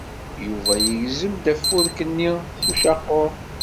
Yuba yegzem-d afurk-nni s ucaqur.